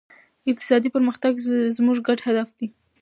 اقتصادي پرمختګ زموږ ګډ هدف دی.